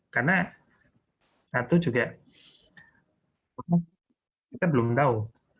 karena satu juga kita belum tahu